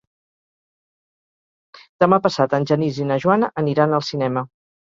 Demà passat en Genís i na Joana aniran al cinema.